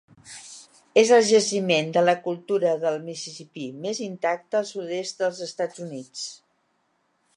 És el jaciment de la cultura del Mississipí més intacte al sud-est dels Estats Units.